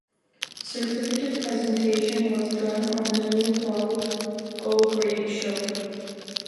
Certificate presentation was done on "The New Paul O'Grady Show".